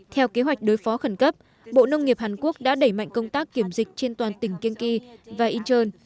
theo kế hoạch đối phó khẩn cấp bộ nông nghiệp hàn quốc đã đẩy mạnh công tác kiểm dịch trên toàn tỉnh kiên kỳ và incheon